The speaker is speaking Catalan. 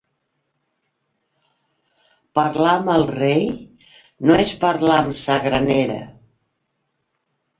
Parlar amb el rei no és parlar amb sa granera.